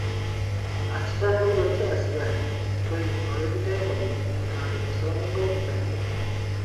"ଆସିବା ହେଉ ରଥେ, ଆସିବା ହେଉ, "କହି ଓଳଗିଟାଏ କଲେ ।ଗାଁର କୁଶଳ ମଙ୍ଗଳ ପଚାରିଲେ ।